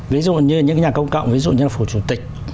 ví dụ như những nhà công cộng ví dụ như là phủ chủ tịch